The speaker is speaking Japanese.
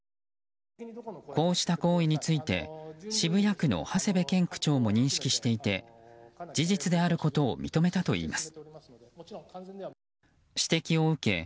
こうした行為について渋谷区の長谷部健区長も認識していて事実であることを認めたといいます。